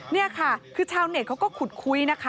นี่ค่ะคือชาวเน็ตเขาก็ขุดคุยนะคะ